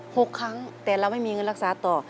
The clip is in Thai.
หกครั้งแต่เราไม่มีเงินรักษาต่อ